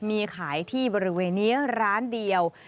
มีขายที่บริเวณนี้ร้านเดียว